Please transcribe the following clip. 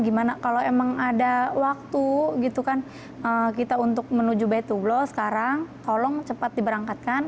gimana kalau emang ada waktu gitu kan kita untuk menuju bay to blow sekarang tolong cepat diberangkatkan